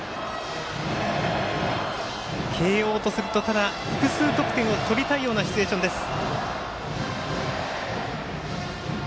慶応とすると複数得点を取りたいようなシチュエーションです。